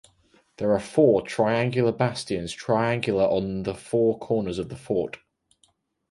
There are four triangular bastions triangular on the four corners of the fort.